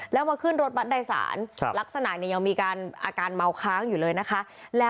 แล้วมาขึ้นรถบัตรโดยสารลักษณะยังมีอาการเมาค้างอยู่เลยนะคะ